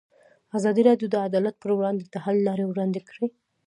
ازادي راډیو د عدالت پر وړاندې د حل لارې وړاندې کړي.